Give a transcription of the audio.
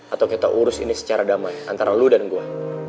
atau kita urus ini secara damai antara lu dan gua